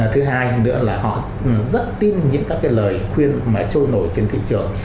thứ hai nữa là họ rất tin những các cái lời khuyên mà trôi nổi trên thị trường